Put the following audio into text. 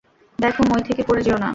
দেখো, মই থেকে পড়ে যেও না।